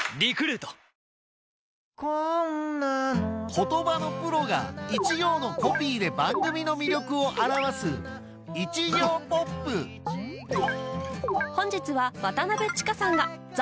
言葉のプロが一行のコピーで番組の魅力を表す本日は渡千佳さんが『ザ！